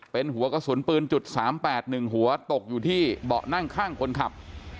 เป็นหัวกระสุนปืน๓๘๑หัวตกอยู่ที่เบาะนั่งข้างคนขับ